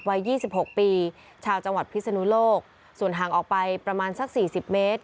ยี่สิบหกปีชาวจังหวัดพิศนุโลกส่วนห่างออกไปประมาณสักสี่สิบเมตร